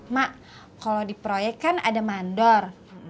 mak kalau di proyek kan ada mandor